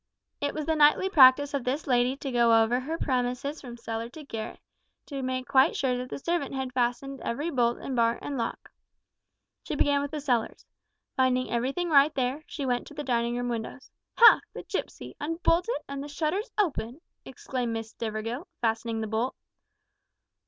It was the nightly practice of this lady to go over her premises from cellar to garret, to make quite sure that the servant had fastened every bolt and bar and lock. She began with the cellars. Finding everything right there, she went to the dining room windows. "Ha! the gipsy! unbolted, and the shutters open!" exclaimed Miss Stivergill, fastening the bolt.